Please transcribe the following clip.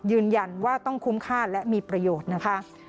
ยืนยันว่าต้องคุ้มค่าและมีประโยชน์นะคะ